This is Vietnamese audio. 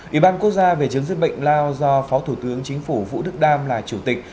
ủy ban quốc gia về chấm dứt bệnh lao do phó thủ tướng chính phủ vũ đức đam là chủ tịch